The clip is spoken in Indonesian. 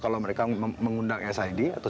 kalau mereka mengundang sid atau